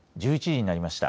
１１時になりました。